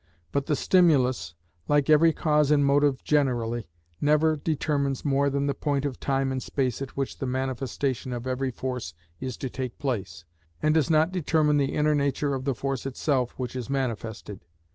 But the stimulus, like every cause and motive generally, never determines more than the point of time and space at which the manifestation of every force is to take place, and does not determine the inner nature of the force itself which is manifested.